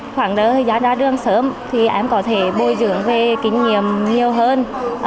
khoảng thời gian ra trường sớm thì em có thể bồi dưỡng về kinh nghiệm nhiều hơn